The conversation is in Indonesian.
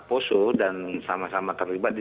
poso dan sama sama terlibat di